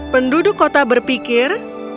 penduduk kota berpikir